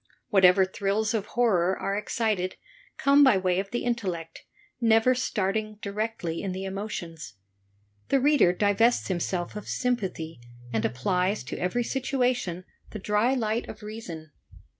Whatever thrills of horror | are excited come by way of th e intellect^ never starting/ directly in the emotions. The reader divests himself of sympathy, and applies to every situation the dry light of reason.